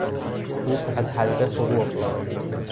توپ از حلقه فرو افتاد.